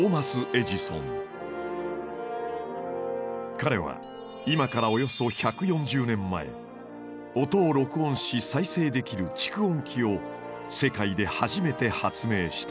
彼は今からおよそ１４０年前音を録音し再生できる蓄音機を世界で初めて発明した。